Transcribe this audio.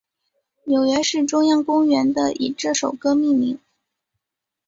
纽约市中央公园的以这首歌命名。